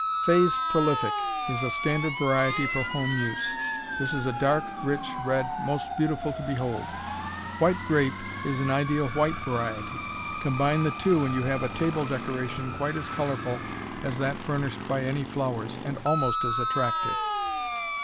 Fay's Prolific is a standard variety for home use. This is a dark, rich red, most beautiful to behold. White Grape is an ideal white variety. Combine the two and you have a table decoration quite as colorful as that furnished by any flowers, and almost as attractive.